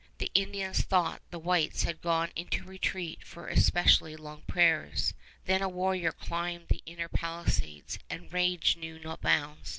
The Indians thought the whites had gone into retreat for especially long prayers. Then a warrior climbed the inner palisades, and rage knew no bounds.